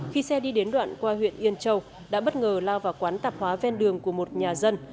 khi xe đi đến đoạn qua huyện yên châu đã bất ngờ lao vào quán tạp hóa ven đường của một nhà dân